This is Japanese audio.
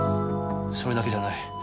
それだけじゃない。